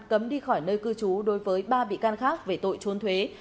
cấm đi khỏi nơi cư trú đối với ba bị can khác về tội trốn thuế